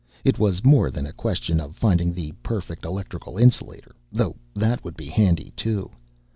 It was more than a question of finding the perfect electrical insulator, though that would be handy too.